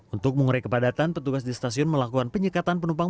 untuk mengurai kepadatan petugas di stasiun melakukan penyekatan penumpang